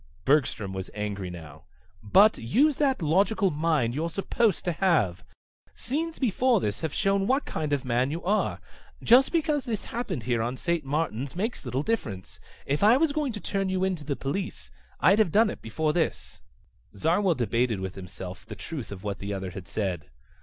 Bergstrom was angry now. "But use that logical mind you're supposed to have! Scenes before this have shown what kind of man you are. Just because this last happened here on St. Martin's makes little difference. If I was going to turn you in to the police, I'd have done it before this." Zarwell debated with himself the truth of what the other had said.